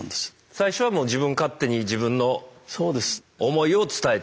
最初はもう自分勝手に自分の思いを伝えてる。